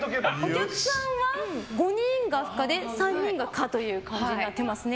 お客さんは５人が不可で３人が可となっていますね。